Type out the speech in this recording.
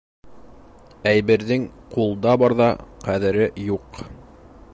Әйберҙең ҡулда барҙа ҡәҙере юҡ.